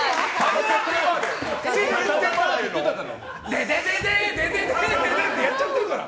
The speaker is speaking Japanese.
デデデーってやっちゃってるから。